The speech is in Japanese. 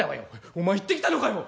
「お前行ってきたのかよ！？